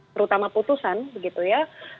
terutama putusan gitu ya